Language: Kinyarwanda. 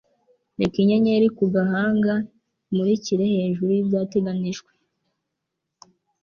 Reka inyenyeri ku gahanga imurikire hejuru yibyateganijwe